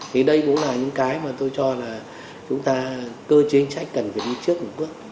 thì đây cũng là những cái mà tôi cho là chúng ta cơ chế chính sách cần phải đi trước một bước